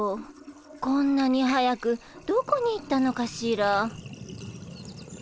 こんなに早くどこに行ったのかしら。